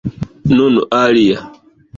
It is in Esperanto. Nun alia!